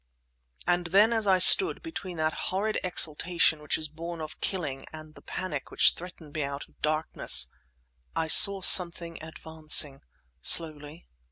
And then as I stood, between that horrid exultation which is born of killing and the panic which threatened me out of the darkness, I saw something advancing ... slowly